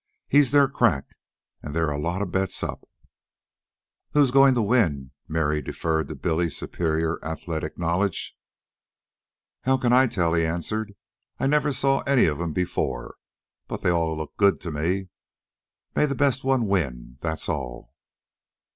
He's their crack, an' there's a lot of bets up." "Who's goin' to win?" Mary deferred to Billy's superior athletic knowledge. "How can I tell!" he answered. "I never saw any of 'em before. But they all look good to me. May the best one win, that's all."